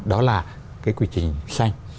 đó là cái quy trình xanh